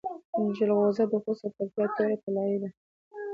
جلغوزي د خوست او پکتیا تور طلایی دي